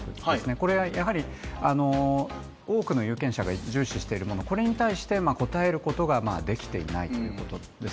これはやはり多くの有権者が重視しているもの、これに対して応えることができていないということです。